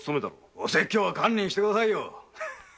お説教は堪忍してくださいよ。